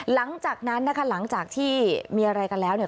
หลังจากนั้นนะคะหลังจากที่มีอะไรกันแล้วเนี่ย